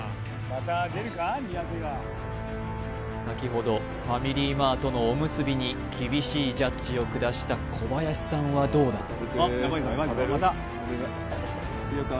先ほどファミリーマートのおむすびに厳しいジャッジを下した小林さんはどうだ？